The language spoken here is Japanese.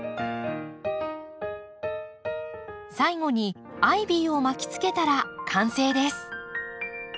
最後にアイビーを巻きつけたら完成です。